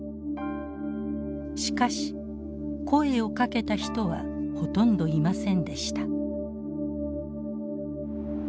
しかし声をかけた人はほとんどいませんでした。